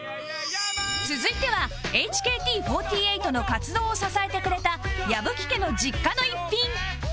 続いては ＨＫＴ４８ の活動を支えてくれた矢吹家の実家の一品